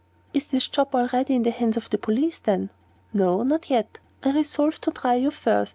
"Is this job already in the hands of the police, then?" "No, not yet. I resolved to try you first.